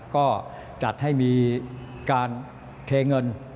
ก็จัดให้มีการเทเงิน